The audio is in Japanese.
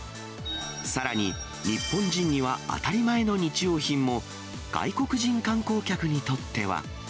さらに、日本人には当たり前の日用品も、外国人観光客にとっては。